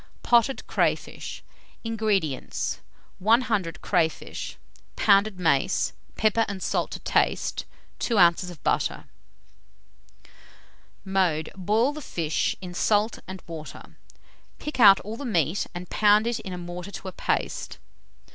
POTTED CRAYFISH. 247. INGREDIENTS. 100 crayfish; pounded mace, pepper and salt to taste, 2 oz. butter. Mode. Boil the fish in salt and water; pick out all the meat and pound it in a mortar to a paste.